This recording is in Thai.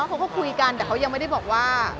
ก็คืออย่างที่อ้าวมีคุยกัน